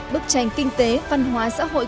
bức tranh kinh tế văn hóa xã hội